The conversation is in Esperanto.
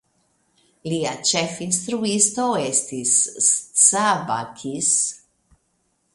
Lia ĉefinstruisto estis Csaba Kiss.